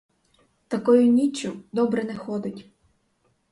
Такою ніччю добре не ходить.